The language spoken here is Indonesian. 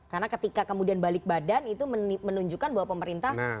karena ketika kemudian balik badan itu menunjukkan bahwa pemerintah pro dengan itu ya